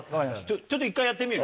ちょっと１回やってみる？